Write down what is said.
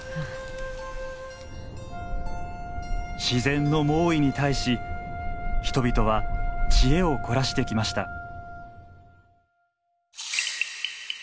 自然の猛威に対し人々は知恵を凝らしてきました。